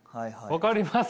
分かります？